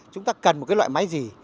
chúng ta cần một cái loại máy gì